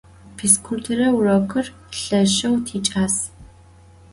Fizkulture vurokır lheşşeu tiç'as.